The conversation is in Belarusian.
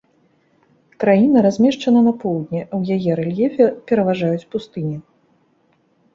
Краіна размешчана на поўдні, а ў яе рэльефе пераважаюць пустыні.